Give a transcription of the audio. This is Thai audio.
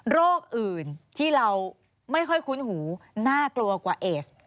โรคอื่นที่เราไม่ค่อยคุ้นหูน่ากลัวกว่าเอส